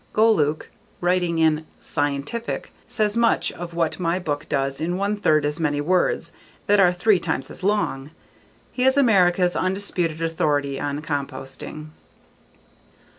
Golueke, writing in "scientific" says much of what my book does in one third as many words that are three times as long. He is America's undisputed authority on composting.